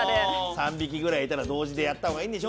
３匹ぐらいいたら同時でやった方がいいんでしょ？